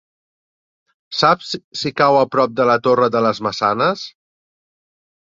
Saps si cau a prop de la Torre de les Maçanes?